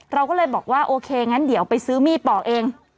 เราก็เลยบอกว่าโอเคงั้นเดี๋ยวไปซื้อมีดปอกเอง